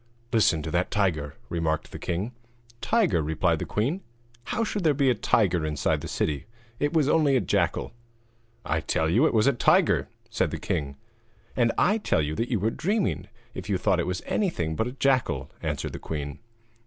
'Listen to that tiger!' remarked the king. 'Tiger?' replied the queen. 'How should there be a tiger inside the city? It was only a jackal.' 'I tell you it was a tiger,' said the king. 'And I tell you that you were dreaming if you thought it was anything but a jackal,' answered the queen.